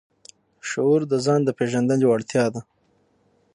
شعور د ځان د پېژندنې وړتیا ده.